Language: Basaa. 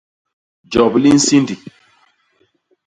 Jop li nsindi.